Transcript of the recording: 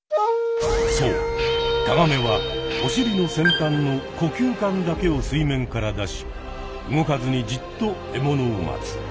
そうタガメはおしりの先たんの呼吸管だけを水面から出し動かずにじっと獲物を待つ。